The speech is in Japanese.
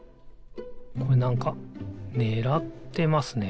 これなんかねらってますね。